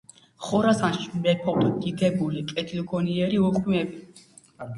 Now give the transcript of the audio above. ხორასანში მეფობდა დიდებული, კეთილგონიერი, უხვი მეფე.